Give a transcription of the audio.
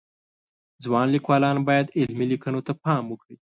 ځوان لیکوالان باید علمی لیکنو ته پام وکړي